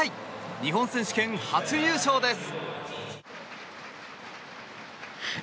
日本選手権、初優勝です。